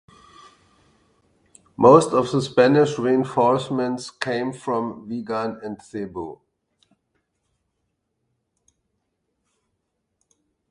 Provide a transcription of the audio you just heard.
Most of the Spanish reinforcements came from Vigan and Cebu.